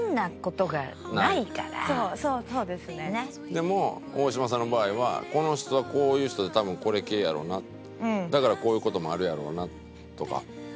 でも大島さんの場合はこの人はこういう人で多分これ系やろうなだからこういう事もあるやろうなとか。